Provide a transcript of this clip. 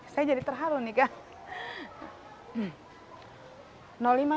saya jadi terharu nih kak